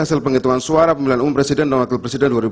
hasil penghitungan suara pm dan wp dua ribu dua puluh empat